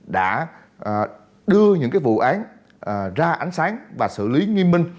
đã đưa những vụ án ra ánh sáng và xử lý nghiêm minh